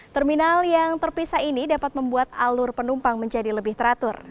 terminal yang terpisah ini dapat membuat alur penumpang menjadi lebih teratur